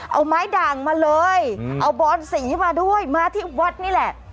เอาไม้ด่างมาเลยเอาบอนสีมาด้วยมาที่วัดนี่แหละ